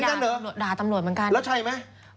ไปด่าตำรวจเหมือนกันแล้วใช่ไหม